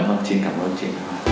chị cảm ơn chị